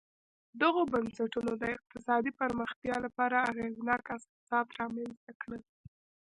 دغو بنسټونو د اقتصادي پراختیا لپاره اغېزناک اساسات رامنځته کړل